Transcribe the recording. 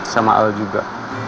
sama al juga